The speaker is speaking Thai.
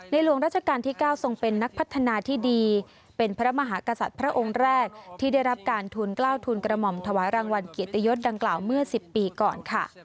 หลวงราชการที่๙ทรงเป็นนักพัฒนาที่ดีเป็นพระมหากษัตริย์พระองค์แรกที่ได้รับการทูลกล้าวทุนกระหม่อมถวายรางวัลเกียรติยศดังกล่าวเมื่อ๑๐ปีก่อนค่ะ